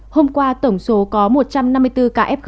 hôm qua tổng số có một trăm năm mươi bốn ca f hai